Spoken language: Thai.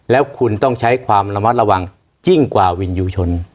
แล้วคุณต้องใช้ความระมัดระวังยิ่งกว่าวินยูชน